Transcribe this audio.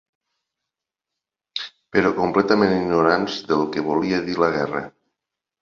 Però completament ignorants del que volia dir una guerra.